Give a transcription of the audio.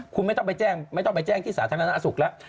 คุณไม่ต้องไปแจ้งที่สาธารณสุขแล้ว